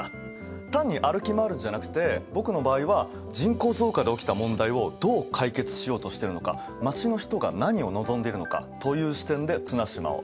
単に歩き回るんじゃなくて僕の場合は人口増加で起きた問題をどう解決しようとしてるのか街の人が何を望んでいるのか？という視点で綱島を歩きました。